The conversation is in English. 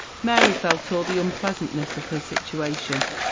Mary felt all the unpleasantness of her situation.